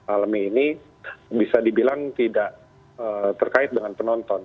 almi ini bisa dibilang tidak terkait dengan penonton